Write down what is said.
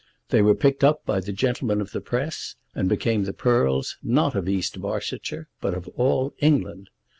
They were picked up by the gentlemen of the Press, and became the pearls, not of East Barsetshire, but of all England.